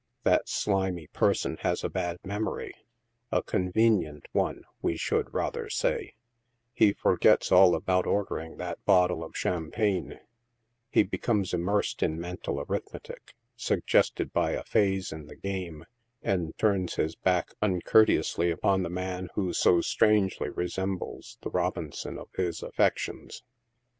That slimy person has a bad memory — a convenient one, we should rather say ; he forgets all about ordering that bottle of champagne ; he becomes immersed in mental arith metic, suggested by a phase in the game, and turns his backuncour teously upon the man who so strangely resembles the " Robinson" of his affections.